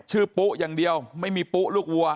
ปุ๊อย่างเดียวไม่มีปุ๊ลูกวัว